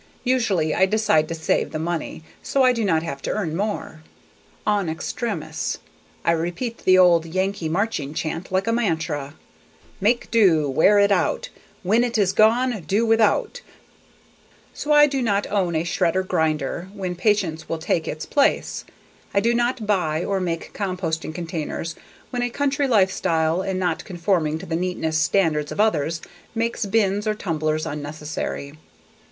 Usually I decide to save the money so I do not have to earn more. En extremis, I repeat the old Yankee marching chant like a mantra: Make do! Wear it out! When it is gone, do without! Bum, Bum! Bum bi Dum! Bum bi di Dum, Bum bi Dum! So I do not own a shredder/grinder when patience will take its place. I do not buy or make composting containers when a country life style and not conforming to the neatness standards of others makes bins or tumblers unnecessary.